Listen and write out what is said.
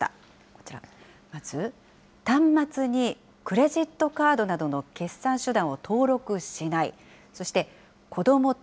こちら、まず、端末にクレジットカードなどの決済手段を登録しない。